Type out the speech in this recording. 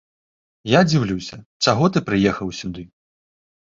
Я дзіўлюся, чаго ты прыехаў сюды.